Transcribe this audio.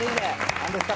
何ですか？